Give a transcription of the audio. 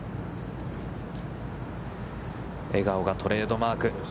笑顔がトレードマーク。